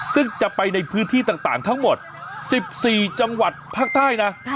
ซึ่งจะไปในพื้นที่ต่างทั้งหมด๑๔จังหวัดภาคใต้นะ